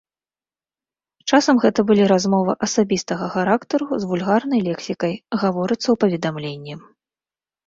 Часам гэта былі размовы асабістага характару з вульгарнай лексікай, гаворыцца ў паведамленні.